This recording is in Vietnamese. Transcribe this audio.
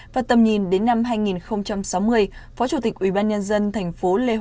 và tầm nhìn đến năm hai nghìn sáu mươi phó chủ tịch ubnd tp hcm